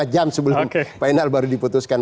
lima jam sebelum final baru diputuskan